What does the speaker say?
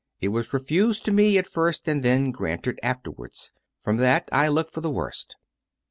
It was refused to me at first and then granted afterwards. From that I look for the worst.